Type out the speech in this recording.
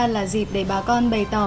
là dịp để bà con bày tỏ